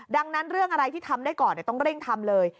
ดังนั้นเรื่องอะไรที่ทำได้ก่อนต้องเร่งทำเลย